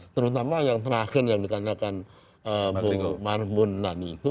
terutama yang terakhir yang dikatakan bu marbunan itu